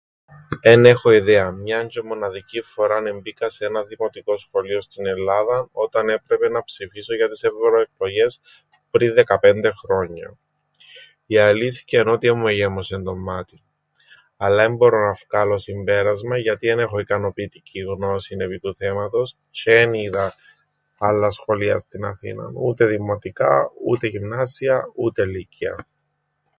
Εν έχω ιδέαν! Μιαν τζ̆αι μοναδικήν φοράν εμπήκα σε έναν δημοτικόν σχολείον στην Ελλάδαν, όταν έπρεπεν να ψηφίσω για τες ευρωεκλογές πριν δεκαπέντε χρόνια. Η αλήθκεια εν' ότι εν μου εγέμωσεν το μμάτιν. Αλλά εν μπορώ να φκάλω συμπέρασμαν, γιατί εν έχω ικανοποιητικήν γνώσην επί του θέματος, τζ̆αι εν είδα άλλα σχολεία στην Αθήναν. Ούτε δημοτικά, ούτε γυμνάσια, ούτε λύκεια.